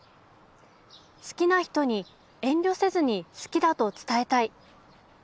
「好きな人に遠慮せずに好きだと伝えたい。